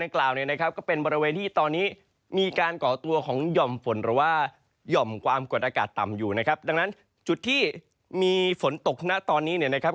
ความกวดอากาศต่ำอยู่นะครับดังนั้นจุดที่มีฝนตกหน้าตอนนี้เนี่ยนะครับ